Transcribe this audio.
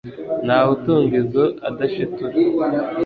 ntawe utunga izo adashitura